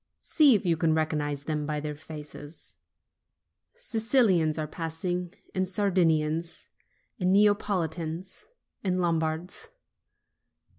See if you can recognize them by their faces : Sicilians are passing, and Sardinians, and Neapolitans, and Lombards.